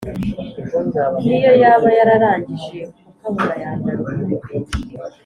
n’iyo yaba yararangije kukabona yagaruka